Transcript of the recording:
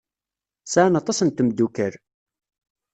Sɛan aṭas n tmeddukal.